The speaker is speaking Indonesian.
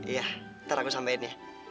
iya ntar aku sampein ya